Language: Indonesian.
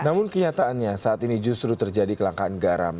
namun kenyataannya saat ini justru terjadi kelangkaan garam